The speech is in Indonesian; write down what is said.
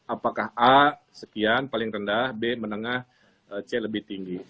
apakah a sekian paling rendah b menengah c lebih tinggi